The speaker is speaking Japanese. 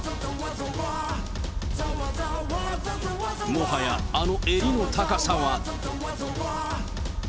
もはやあの襟の高さは。